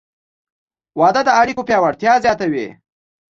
• واده د اړیکو پیاوړتیا زیاتوي.